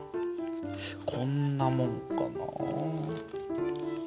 こんなもんかな？